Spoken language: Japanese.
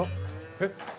えっ？